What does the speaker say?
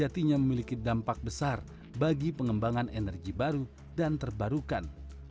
sejatinya memiliki dampak besar bagi pengembangan energi baru dan terbarukan